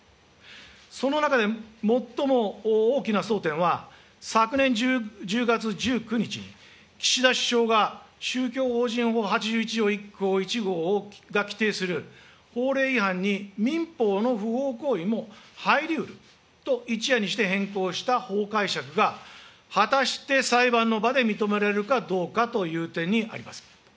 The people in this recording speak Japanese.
その中で、最も大きな争点は、昨年１０月１９日に、岸田首相が宗教法人法８１条１項１号が規定する法令違反に民法の不法行為も入りうると、一夜にして変更した法解釈が、果たして裁判の場で認められるかどうかという点にあります。